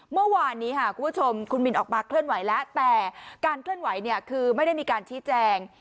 เมื่อวานนี้ค่ะคุณผู้ชมคุณมินออกมาเคลื่อนไหวแล้วแต่การเคลื่อนไหวเนี่ยคือไม่ได้มีการชี้แจง